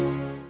aduk otak kamu